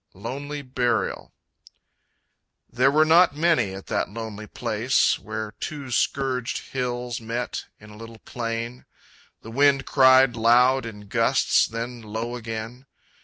Lonely Burial There were not many at that lonely place, Where two scourged hills met in a little plain. The wind cried loud in gusts, then low again.